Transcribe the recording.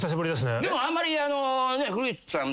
でもあんまり古市さん